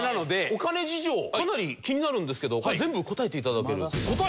お金事情かなり気になるんですけどこれ全部答えて頂けると。